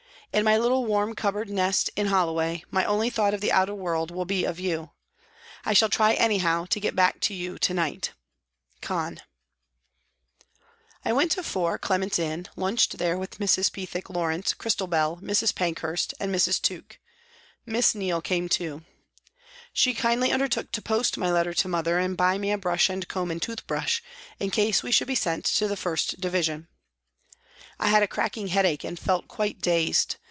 In my little warm cupboard nest in Holloway my only thought of the outer world will be of you. I shall try anyhow to get back to you to night. I went to 4, Clement's Inn, lunched there with Mrs. Pethick Lawrence, Christabel, Mrs. Pankhurst and Mrs. Tuke ; Miss Neal came too. She kindly undertook to post my letter to mother and buy me a brush and comb and toothbrush in case we should be sent to the 1st Division. I had a cracking headache and felt quite dazed.